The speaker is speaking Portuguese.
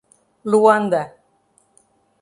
Loanda